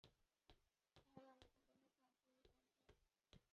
সাহেব, আমাদের জন্য তো আপনিই সরকার।